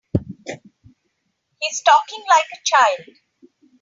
He's talking like a child.